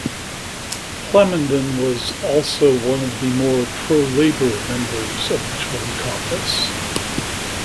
Plamondon was also one of the more pro-labour members of the Tory caucus.